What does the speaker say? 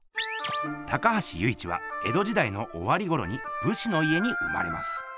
高橋由一は江戸時だいのおわりごろにぶしの家に生まれます。